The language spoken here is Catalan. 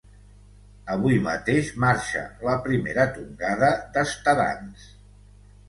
Avui mateix marxa la primera tongada d'estadants.